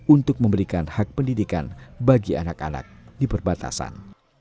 untuk memberikan hak pendidikan bagi anak anak di perbatasan